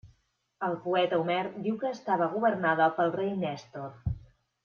El poeta Homer diu que estava governada pel rei Nèstor.